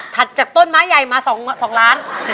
จากต้นไม้ใหญ่มา๒ล้าน